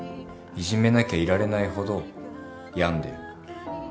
いじめなきゃいられないほど病んでる。